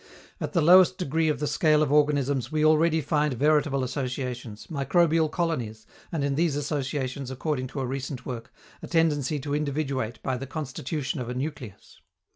At the lowest degree of the scale of organisms we already find veritable associations, microbial colonies, and in these associations, according to a recent work, a tendency to individuate by the constitution of a nucleus.